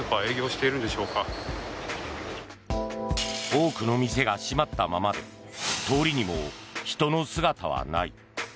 多くの店が閉まったままで通りにも人の姿はない。